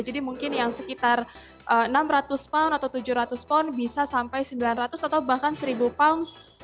jadi mungkin yang sekitar enam ratus pound atau tujuh ratus pound bisa sampai sembilan ratus atau bahkan seribu pound